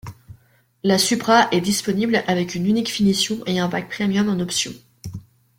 La Supra est disponible avec une unique finition et un pack Premium en option.